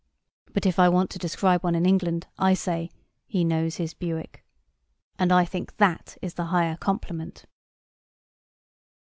But if I want to describe one in England, I say, 'He knows his Bewick.' And I think that is the higher compliment."